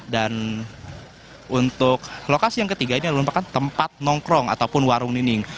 dan untuk lokasi yang ketiga ini adalah tempat nongkrong ataupun warung nining